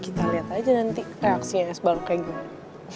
kita liat aja nanti reaksinya es balok kayak gimana